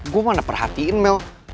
gue mana perhatiin mel